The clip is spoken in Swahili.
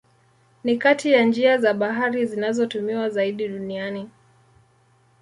Ni kati ya njia za bahari zinazotumiwa zaidi duniani.